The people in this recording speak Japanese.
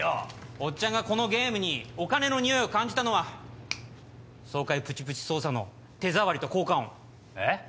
おっちゃんがこのゲームにお金の匂いを感じたのは爽快プチプチ操作の手触りと効果音えっ？